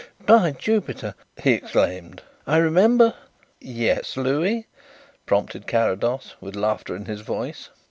"By Jupiter!" he exclaimed. "I remember " "Yes, Louis?" prompted Carrados, with laughter in his voice.